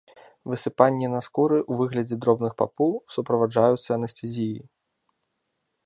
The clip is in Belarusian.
Высыпанні на скуры ў выглядзе дробных папул суправаджаюцца анестэзіяй.